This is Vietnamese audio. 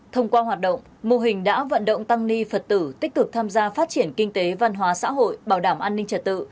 thông qua hoạt động mô hình đã vận động tăng ni phật tử tích cực tham gia phát triển kinh tế văn hóa xã hội bảo đảm an ninh trật tự